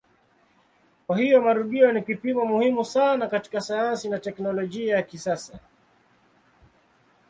Kwa hiyo marudio ni kipimo muhimu sana katika sayansi na teknolojia ya kisasa.